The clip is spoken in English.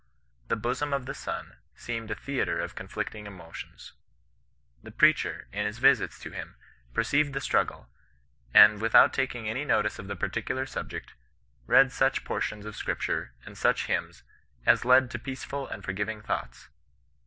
The bosom of the son seemed a theatre of conflicting emotions. The preacher, in his visits to him, perceived the struggle, and, without tak ing any notice of the particular subject, read such por tions of Scripture, and such hymns, as led to peaceful and forgiving thoughts.